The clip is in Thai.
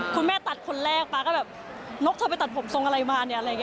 คุณแม่ตัดคนแรกป๊าก็แบบนกเธอไปตัดผมทรงอะไรมาเนี่ย